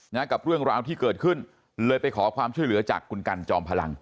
กับเรื่องราวที่เกิดขึ้นเลยไปขอความช่วยเหลือจากคุณกันจอมพลัง